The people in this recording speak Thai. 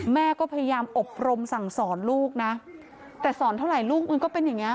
แม่ก็พยายามอบรมสั่งสอนลูกนะแต่สอนเท่าไหร่ลูกมันก็เป็นอย่างเงี้